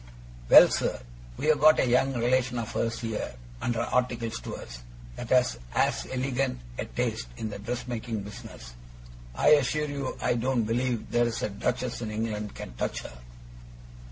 'Well, sir, we've got a young relation of hers here, under articles to us, that has as elegant a taste in the dress making business I assure you I don't believe there's a Duchess in England can touch her.